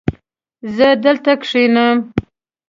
زه دلته کښېنم